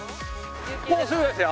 もうすぐですよ。